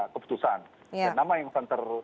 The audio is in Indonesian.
keputusan dan nama yang akan ter